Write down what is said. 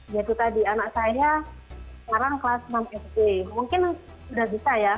jadi tadi anak saya sekarang kelas enam sd mungkin sudah bisa ya